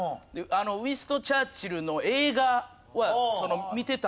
ウィンストン・チャーチルの映画は見てたんで。